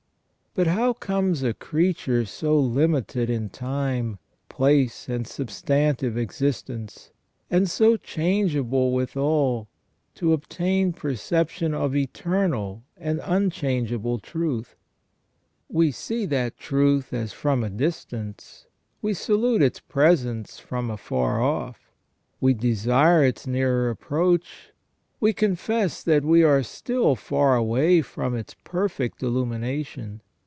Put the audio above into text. But how comes a creature so limited in time, place, and substantive existence, and so changeable withal, to obtain perception of eternal and unchangeable truth ? We see that truth as from a distance, we salute its presence from afar off, we desire its nearer approach, we confess that we are still far away from its perfect illumination.